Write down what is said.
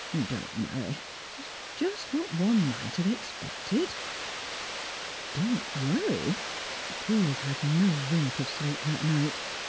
"Don't worry. It's just what one might have expected." Don't worry! Piers had no wink of sleep that night.